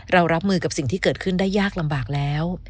รับมือกับสิ่งที่เกิดขึ้นได้ยากลำบากแล้ว